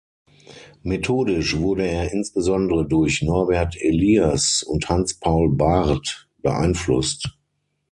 Methodisch wurde er insbesondere durch Norbert Elias und Hans Paul Bahrdt beeinflusst.